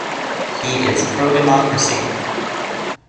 He is pro democracy.